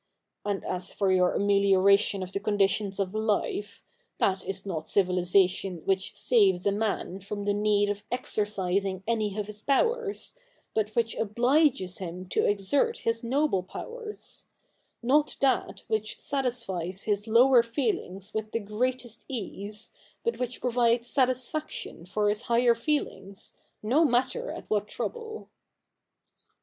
And as for your amelioration of the con ditions of life — that is not civilisation which saves a man from the need of exercising any of his powers, but which obliges him to exert his noble powers ; not that which satisfies his lower feelings with the greatest ease, but which provides satisfaction for his higher feelings, no matter at what trouble.'